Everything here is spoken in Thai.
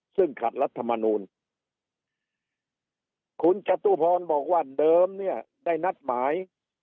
ซึ่งขัดรัฐมนูลคุณจตุพรบอกว่าเดิมเนี่ยได้นัดหมาย